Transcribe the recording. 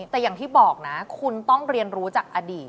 แต่อย่างที่บอกนะคุณต้องเรียนรู้จากอดีต